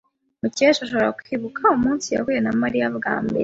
Mukesha ashobora kwibuka umunsi yahuye na Mariya bwa mbere.